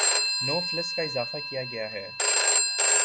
نو فلس کا اضافہ کیا گیا ہے